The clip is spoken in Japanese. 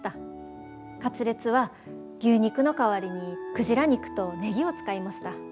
カツレツは牛肉の代わりにクジラ肉とネギを使いました。